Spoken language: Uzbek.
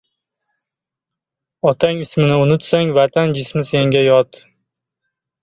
Otang ismin unutsang, Vatan jismi senga yot.